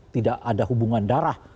tidak ada hubungan darah